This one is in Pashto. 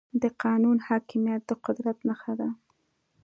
د قانون حاکميت د قدرت نښه ده.